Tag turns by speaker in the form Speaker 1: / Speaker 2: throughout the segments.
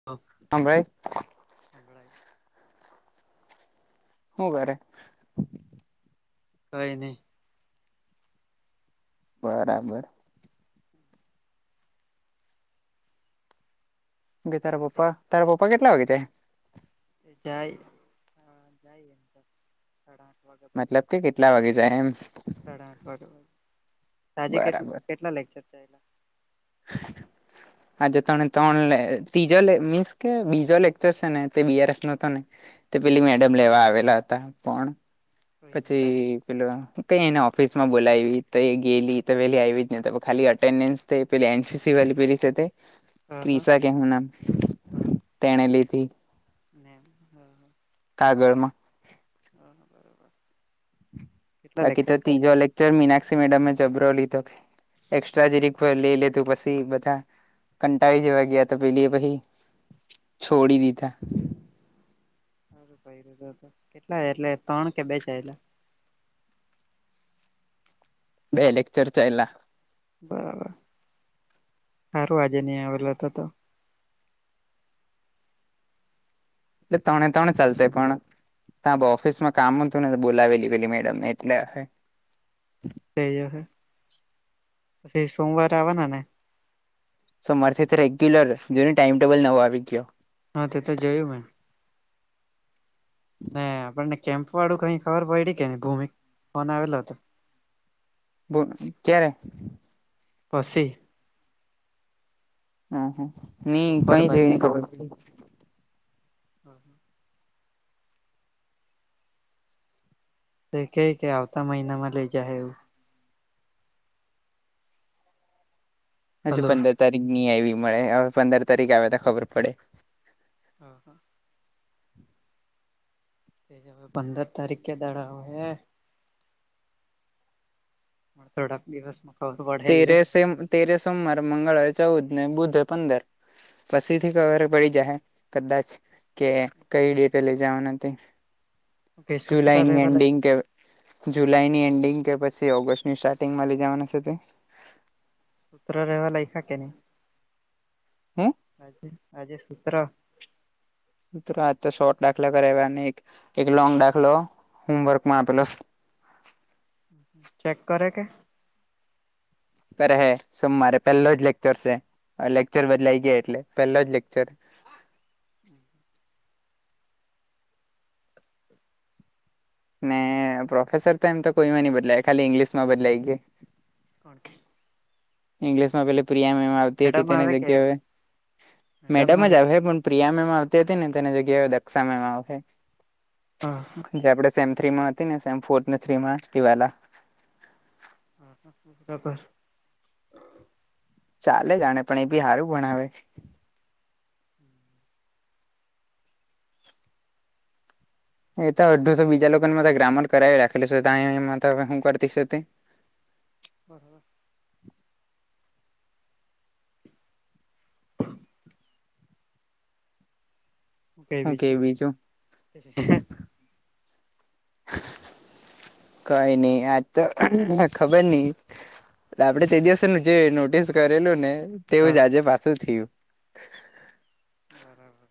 Speaker 1: [unintelligible]
Speaker 2: હા ભાઈ.
Speaker 1: [unintelligible]
Speaker 2: હુ કરે?
Speaker 1: કઈ નહી.
Speaker 2: બરાબર. બે તારા પપ્પા
Speaker 1: પછી
Speaker 2: તારા પપ્પા કેટલા વાગે જાય?
Speaker 1: તે જાય [unintelligible] સાડા આઠ વાગ્યા બાજુ
Speaker 2: મતલબ કે કેટલા વાગે જાય એમ
Speaker 1: સાડા આઠ વાગ્યા બાજુ. સાજે કે
Speaker 2: બરાબર
Speaker 1: કેટલા લેક્ચર ચાલયા? [inaudible]
Speaker 2: આજે ત્રણે ત્રણ ત્રીજો મીન્સ કે બીજો લેક્ચર છે ને તે બી આર સ નો તો ને. તે પેલી મેડમ લેવા આવેલા હતા, પણ
Speaker 1: કોઈ મેડમ
Speaker 2: પછી પેલો કઈ એને ઓફિસમાં બોલાવી તો એ ગેલી તો પેલી આવી જ ન ખાલી એટેન્ડન્સ પેલી એન સી સી વાલી પેલી સે તે,
Speaker 1: હ હ
Speaker 2: ક્રિસા કે હું નામ
Speaker 1: હ
Speaker 2: તેણે લીધી.
Speaker 1: [unintelligible]
Speaker 2: કાગળમાં.
Speaker 1: હા હા બરાબર.
Speaker 2: બાકી તો ત્રીજો લેક્ચર મીનાક્ષી મેડમ જબરો લીધો, કે એસ્ટ્રા જીરીક લે લે તું પછી બધા, કંટાળી જેવા ગયા તો પેલીએ છોડી દીધા‌.
Speaker 1: સારું કરી તો કેટલા એટલે ત્રણ કે બે ચલાયા?
Speaker 2: બે લેક્ચર ચાલ્યા.
Speaker 1: બરાબર, સારું આજે નહી આવેલો તો તો.
Speaker 2: એટલે તણે તણે ચાલતા પણ તા ઓફિસમાં કામ હતું ને તો બોલાવેલીી પેલી મેડમ ને એટલે અહે.
Speaker 1: થઈ જહે, પછી સોમવારે આવેવાના ને?
Speaker 2: સોમાવાર થીતો રેગ્યુલર, જોને ટાઈમ ટેબલ નવો આવી ગયો.
Speaker 1: હા તે તો જોયું મેં. ના આપણને કેમ્પ વાળું કઈ ખબર પડી કે ભૂમિક ફોન આવેલો હતો.
Speaker 2: ક્યારે?
Speaker 1: પશી. બપોર બાજુ
Speaker 2: [unintelligible]
Speaker 1: [unintelligible] એ કેય કે આવતા મહિનામાં લઈ જાહે એવું.
Speaker 2: હજુ
Speaker 1: હલો.
Speaker 2: પંદર તારીખ ની આવી મળે, હવે પંદર તારીખ આવે તો ખબર પડે.
Speaker 1: હા હા પંદર તારીખ કે દાડા આવહે. મણ થોડાક દિવસમાં. ખબર પડહે જ રે.
Speaker 2: તેરે સેમ, તેરે સોમવાર, મંગળરે ચૌદ ને બુધે પંદર પછીથી કરવર અપ મળી જાહે, કદાચ કે કઈ ડેટે લઈ જવાના તે
Speaker 1: કે સૂત્ર
Speaker 2: જુલાઈ ની
Speaker 1: રહેવા લાય
Speaker 2: એન્ડિંગ કે જુલાઈ ની એન્ડિંગ, કે પછી ઓગસ્ટની સ્ટાર્ટિંગમાં લઈ જવાના છે તે
Speaker 1: સૂત્ર રહેવા લાયખા કે નહી?
Speaker 2: હે
Speaker 1: આજે આજે સૂત્ર
Speaker 2: એકતો આજ તો શોર્ટ દાખલા કરાવ્યા, અને એક, એક લોંગ દાખલો હોમવર્કમાં આપેલો શે.
Speaker 1: ચેક કરે કે
Speaker 2: કરહે, સોમવારે પેલો જ લેક્ચર છે, લેક્ચર બદલાઈ ગયા એટલે, પેલો જ લેક્ચર.
Speaker 1: હમ્મ
Speaker 2: ને પ્રોફેસર તો એમ તો કોઈમાં ની બદલાય ખાલી ઇંગ્લિશ માં બદલાય ગયા.
Speaker 1: કોણકે
Speaker 2: ઇંગ્લિશમાં પેલી પ્રિયા મેમ આવતી હતી,
Speaker 1: મેડમ
Speaker 2: તેને
Speaker 1: આવે કે
Speaker 2: જગ્યા એ હવે મેડમ જ આવહે પણ પ્રિયા મેમ આવતી હતી ને, તેને જગ્યાએ હવે દક્ષા મેમ આવશે.
Speaker 1: આ
Speaker 2: જે આપડે સેમ થ્રી માં હતી ને, સેમ ફોર ને થ્રી માં તે વાલા
Speaker 1: ટકર
Speaker 2: ચાલે જાણે પણ એ બી સારું ભણાવે છે. એ તો અડધું તો બીજા લોકોને બધે ગ્રામર કરાઈ રાખેલી છે, ત્યાં એ તા હુ કરતી શે તે.
Speaker 1: હા હા [inaudible]
Speaker 2: હું
Speaker 1: કેવી
Speaker 2: કે
Speaker 1: છે.
Speaker 2: બીજું કઈ નઈ આજ તો ખબર નઈ. આપડે તે દિવસે નેજે નોટિસ કરેલું ને
Speaker 1: હા.
Speaker 2: તેવું જ આજે પાછું થયું.
Speaker 1: બરાબર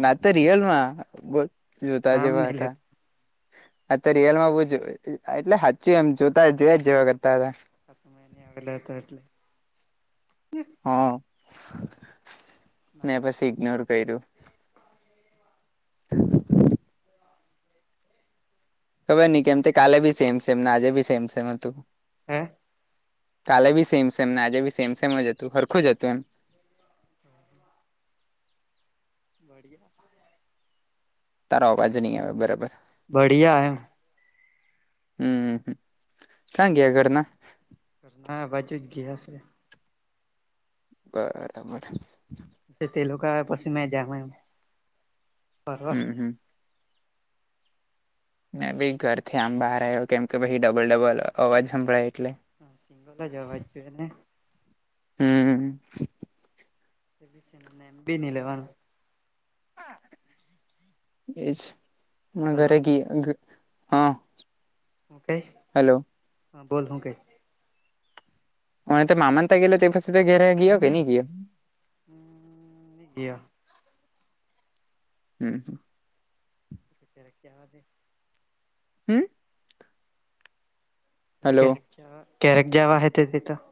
Speaker 2: ના તો રિયલમાં બત જોતા
Speaker 1: નામ
Speaker 2: જેવા
Speaker 1: નહી
Speaker 2: હતા.
Speaker 1: લેતો
Speaker 2: આ તો રિયલમાં બુ જોવે, એટલે હચું એમ જોતા જોયા જેવા કરતા હતા.
Speaker 1: સાત મહિને આવેલા હતા એટલે.
Speaker 2: હા,
Speaker 1: નામ
Speaker 2: મેં પછી ઈગનોર કર્યું. [inaudible] ખબર નહિ કેમતે, કાલે બી સેમ સેમ ને આજે બી સેમ સેમ હતું.
Speaker 1: હે
Speaker 2: કાલે બી સેમ સેમને, આજે બી સેમ સેમજ હતું, હરખું જ હતું એમ.
Speaker 1: [inaudible] બઢિયા
Speaker 2: તારા આવવાજ નહીં આવે બરાબર.
Speaker 1: બઢિયા એમ
Speaker 2: હમ્મ, ક્યાં ગયા ઘરના
Speaker 1: હા બાજુ જ ગિયા શે.
Speaker 2: બરાબર
Speaker 1: તે લોકો આવે પછી મેં જાવાનું.
Speaker 2: હમ હમ. મે ભી ઘરથી આમ બહાર આવ્યો, કેમ કે પછી ડબલ ડબલ અવાજ સંભળાય એટલે.
Speaker 1: હા સિંગલજ અવાજ જોએ ને.
Speaker 2: હમ્મ
Speaker 1: પેલી શેને, નેમ બી ની લેવાનું.
Speaker 2: એજ હ
Speaker 1: હલો
Speaker 2: ઘરે ગયા. [unintelligible]
Speaker 1: ઓકે.
Speaker 2: હેલો.
Speaker 1: હા, બોલ શું કેય?
Speaker 2: અને તો મામા ને ત્યાં ગયેલો તે પછી તે ઘેરે ગયો કે નહીં ગયો?
Speaker 1: નહી ગયો.
Speaker 2: હમ હ...
Speaker 1: તો ત્યારે ક્યાં વા દે.
Speaker 2: હમ હલો
Speaker 1: કયારેક જવા હે, તેદી તો.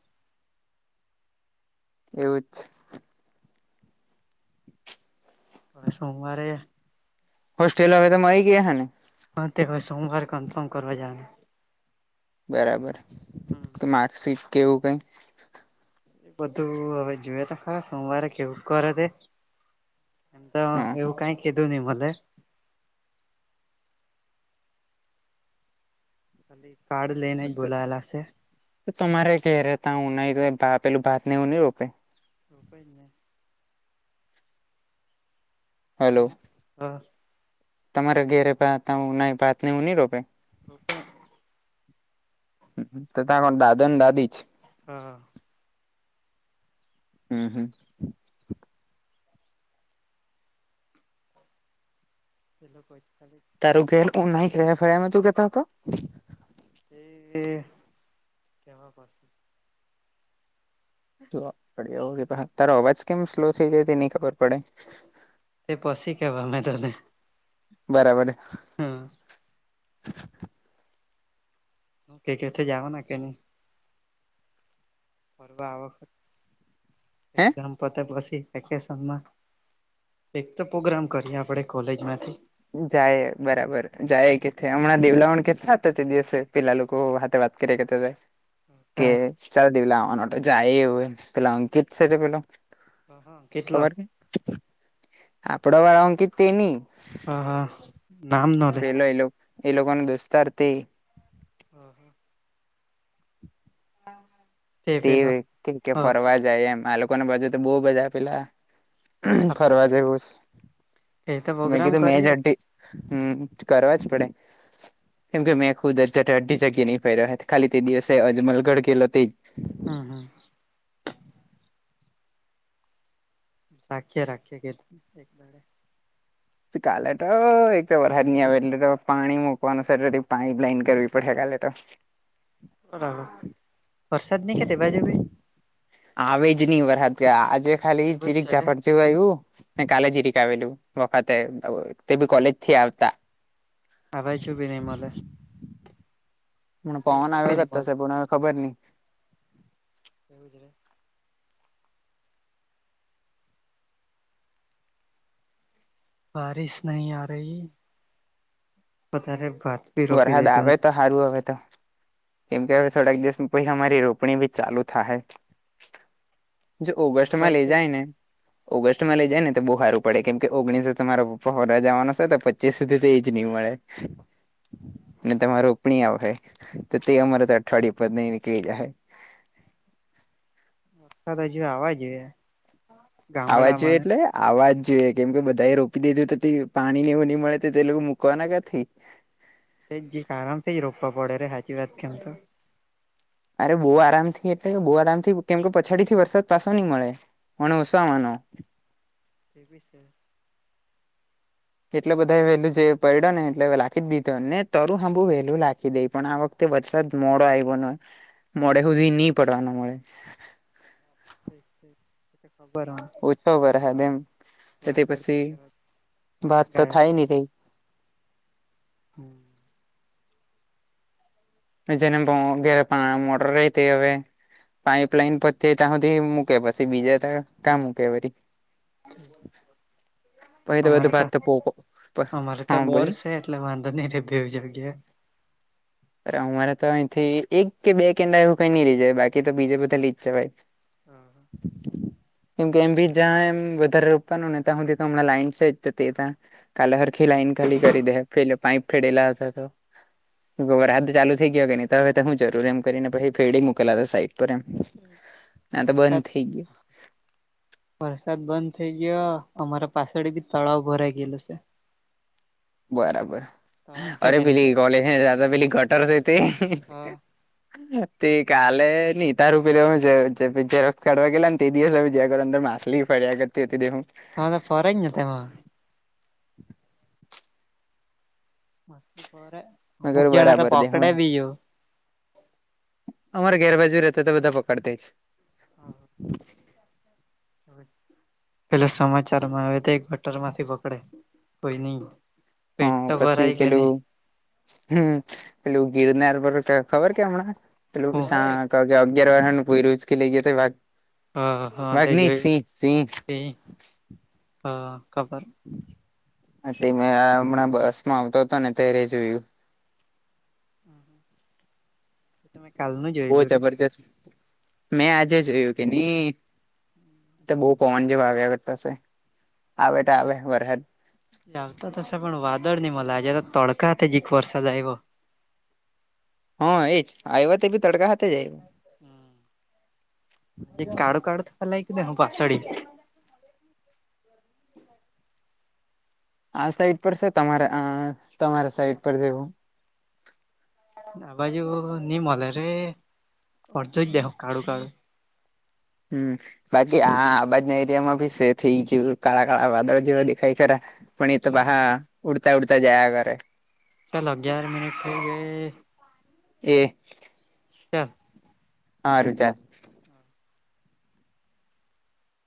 Speaker 2: એવું જ છે.
Speaker 1: બસ સોમવારે.
Speaker 2: હોસ્ટેલ વાળા તો મળી ગયા હશે ને?
Speaker 1: તે હવે સોમવારે કન્ફર્મ કરવા જવાનું.
Speaker 2: બરાબર કે માર્કશીટ કવું કઈ
Speaker 1: એ બધું હવે જોએ તો ખરા સોમવારે કેવું કરે? તે. એમ તો એવું કઈ કીધું નહી. મને... ખાલી કાર્ડ લઈને જ બોલાવેલા છે.
Speaker 2: તો તમારે ઘેરે તો હું નહી. પેલું ભાત ને એવું નહિ હોપે?
Speaker 1: રોપાઈને. મેં હા.
Speaker 2: તમારે ઘેરે પણ ભાત ને હું નહીં રોપે?
Speaker 1: હ કે...
Speaker 2: હતો. તા કોણ દાદો ને દાદી છે?
Speaker 1: હા હા.
Speaker 2: હમ હ...
Speaker 1: તે લોકો એકલી.
Speaker 2: તારું ઘેર હું નહી ગયો. એમ તું કેતો હતો?
Speaker 1: એ એ કેવા પાસે?
Speaker 2: તારો અવાજ કેમ સ્લો થઈ જાય? તે નહીં ખબર પડે.
Speaker 1: તે પશી કેવા મે તને.
Speaker 2: બરાબર.
Speaker 1: હં... હ કે છે તો જાવાનું કે નય? પરવા હવે
Speaker 2: હે
Speaker 1: એક્ઝામ પતે પસી. વેકેશનમાં એક તો પ્રોગ્રામ કરીએ આપણે કોલેજમાં થી.
Speaker 2: જાય બરાબર જાય કે હમણાં દેવલા ઓણ કેસા હતા. તે દિવસે પેલા લોકો વાતે વાત. ક કેતો જાય. કે ચાલ દેવલા હવે જાયે. એ પેલા અંકિત છે. પેલો..
Speaker 1: હા હા કેટલા?
Speaker 2: આપડોર વારા અંકીત તેની
Speaker 1: હા હા. નામ ન. લે
Speaker 2: પેલો એ એ લોકો નાનો દોસ્તાર તે
Speaker 1: હમ હા હા. હા.
Speaker 2: તે કે ફરવા જાય. એમ, આ લોકોને બધું તો બહુ બધા આપેલા. ફરવા જવું.
Speaker 1: એ તો
Speaker 2: મેં
Speaker 1: પ્રોગ્રામ
Speaker 2: કીધું મે જ.
Speaker 1: કરીએ
Speaker 2: હમ કરવા જ પડે. કેમ કે મેં ખુદ અત્યારે અધી જગ્યા નહી પરહ્યા હે, ખાલી તે દિવસે અજમલગઢ ગેલો તે જ.
Speaker 1: હમ્મ હમ્મ રાખીએે રાખીએ એક દાડે
Speaker 2: કાલે તો એક તો વરહદ નહી આવે એટલે તો, પાણી મુકવાનું સેટરડે પાઈપ લાઈન કરવી પડહે કાલે તો.
Speaker 1: પરા
Speaker 2: આવે જ નહી વરહાદ ગ્યા આજે ખાલી
Speaker 1: એવું જ
Speaker 2: જીરીક
Speaker 1: છે રે
Speaker 2: જાપટ જેવું આઇવ્યુ, ને કાલે જીરીક આવેલું, વખતે તે બી કોલેજ થી આવતા.
Speaker 1: આભાઈછું બી ની મલે.
Speaker 2: ને પવન આવે ગતશે પણ હવે ખબર ની.
Speaker 1: કેવીધરે બારીશ નહી આ રહી, પતાહે બાત
Speaker 2: વરહાદ આવે તો સારું હવે તો. કેમ કે હવે થોડાક દિવસ પછી અમારી રોપણી બી ચાલુ થાહે. જો
Speaker 1: મારા
Speaker 2: ઓગસ્ટમાં લઈ
Speaker 1: પાસે
Speaker 2: જાયને, ઓગસ્ટમાં લઈ જાયને તો બહુ સારું. પડે, કેમ કે ઓગણીસે તો મારા પપ્પા હોરા જવાનો છે, તો પચીસ સુધી તો એ જ ની મળે. ને તમારે ઉપણી આવહે, તો તે અમારે તો અઠવાડયે ઉપર નઈ નીકળી જાહે.
Speaker 1: વરસાદ હજુ આવા જોઈએ.
Speaker 2: આવા જોઈએ
Speaker 1: ગામડામાં
Speaker 2: એટલે? આવાજ જોઈએ, કેમ કે બધા એ રોપી દીધું તો પાણીને એવું નહીં મળે તો તે લોકો મૂકવાના કેથી?
Speaker 1: તે જીક આરામ થી રોપા પડે રે હાચી વાત કેવુ તો.
Speaker 2: અરે બહુ આરામથી એટલે બહુ આરામથી કેમ કે પછાડી થી વરસાદ પાશો નહી મળે. મણ ઓસામાનો
Speaker 1: તેવીસ
Speaker 2: એટલે બધા એ વેલુંજે પડ્યો ને, એટલે વે લાખીજ દીધો, ને તરું હાંભું વેલું લાખી દઈ, પણ આ વખ તે વરસાદ મોડો આઇવો ને, મોડે સુધી ની પડવાનો મળે.
Speaker 1: ત ખબર
Speaker 2: ઓછો વરસાદ
Speaker 1: હવા
Speaker 2: એમ
Speaker 1: વાદળ પીકર
Speaker 2: બાત તો થાય ની કઇ
Speaker 1: હમ્મ
Speaker 2: જેને પો ગેરે પા મોટર રહી તે હવે પાઈપલાઈન પતહે ત્યાં હુધિ મૂકે પશી બીજા તો કા મૂકે વરી. પછી બધું
Speaker 1: અમારે તો
Speaker 2: ભાત પોકો
Speaker 1: અમારે તો
Speaker 2: હા
Speaker 1: બોર
Speaker 2: બોલની
Speaker 1: છે. એટલે વાંધો નહી રે ઘેર જગ્યા
Speaker 2: પર અમારે તો અહીંથી, એક કે બે કેંડા એવું કઈ નઈ લઈ જાય, બાકી તો બીજે બધા લીજ જવાય.
Speaker 1: હા હા
Speaker 2: કેમ કે એમ બી જ્યાં એમ વધારે રોપવાનું ને ત્યાં સુધી તો હમણાં લાઈન શે જ તો તે ત્યાં કાલે સરખી લાઈન ખાલી કરી દે, પેલે પાઈપ ફેડેલા હશે તો. ગોબર આદ ચાલુ થઈ ગયો કે નહી, તો હવે તો હું જરૂર એમ કરીને પછી ફેડી મોકલા હતા સાઈડ પર એમ.
Speaker 1: આ
Speaker 2: તો બંધ
Speaker 1: વરસાદ
Speaker 2: થઈ ગયું
Speaker 1: વરસાદ બંધ થઈ ગયો, અમારા પાછળે બી તળાવ ભરાઈ ગયેલો શે.
Speaker 2: બરાબર,
Speaker 1: તળાવ છે
Speaker 2: અરે
Speaker 1: કે નહી
Speaker 2: પેલી
Speaker 1: પેલું
Speaker 2: કોલેજ હે ત્યાં તો પેલી ગટર છે તે.
Speaker 1: હા
Speaker 2: તે કાલે ની તારૂ પેલુ હું છે [unintelligible] જેવો કાઢવા ગેલા ને તે દિવસમે જા વાર અંદર માછલી ફરિયા કરતી હતી દેહું
Speaker 1: હા ફરેંજ ને ફેવા મસ્લી ફરે
Speaker 2: મેં
Speaker 1: અમુક
Speaker 2: કરું
Speaker 1: જણા તો
Speaker 2: બરાબર દેહું
Speaker 1: પકડે બી યુ
Speaker 2: અમારે ઘેર બાજુ રહેતા તો બધા પકડતેજ.
Speaker 1: હા પેલા સમાચારમાં આવે તો એક બટર માંથી પકડે. પઈની
Speaker 2: હા પસી પેલું હમ્મ, પેલું ગીરનાર પર સ ખબર કે હમણાં પેલું
Speaker 1: હું
Speaker 2: સા ક અગયારર પ પોઈ રુજકી લઈ ગયો તોાય ભાગ.
Speaker 1: હા હા તે જોયું
Speaker 2: સિંહ
Speaker 1: ત‌ઇ હા ખબર.
Speaker 2: એટલે મેં હમણાં બસ માં આવતો હતો ને ત્યારે જોયું.
Speaker 1: હા હા [unintelligible] કાલ ના જેમ.
Speaker 2: બહુ જબરજસ્ત મેં આજે જોયું કે નહી બહુ. ફોન જે આવે [inaudible] આગળ પાસે આવે તો આવે વરહદ
Speaker 1: આવ આવતા તસ પણ વાદળ નહી મ આજ તડકા હતા જીખ વરસા જ આવ્યો
Speaker 2: હા એજ આવ્યો તો બી તડકા હા જાય.
Speaker 1: હમ કાળું કાળું તો લયક ન હ પાછડી.
Speaker 2: આ સાઈટ પર છે તમારા અ તમારા સાઈટ પર જેવું.
Speaker 1: આ બાજુ ની મલે રે [inaudible] અર્ધ જ દેખો કાળું કાળુ
Speaker 2: હમ. બાકી આ આબાજ ના એરિયા માં ભી સે થ‌ઇ થઈ ગયું કા કળા વાદળો જેવ દેખાય ખરા‌. પણ એ તો બહા ઉડતા ઉડતા જયા કરે.
Speaker 1: તલ અંગ્યાર મિનટ થ‌ઈ ગ‌ઇ.
Speaker 2: એ.
Speaker 1: તે.
Speaker 2: હા રુચાર.
Speaker 1: હા.